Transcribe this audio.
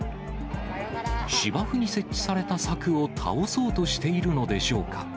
芝生に設置された柵を倒そうとしているのでしょうか。